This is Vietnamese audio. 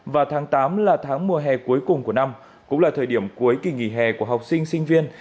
và tháng tám là tháng mùa hè cuối cùng của năm cũng là thời điểm cuối kỳ nghỉ hè của học sinh sinh viên